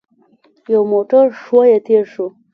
يو موټر ښويه تېر شو.